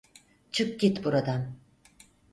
Çık git buradan!